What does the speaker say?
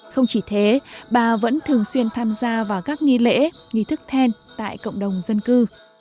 không chỉ thế bà vẫn thường xuyên tham gia vào các nghi lễ nghi thức then tại cộng đồng dân cư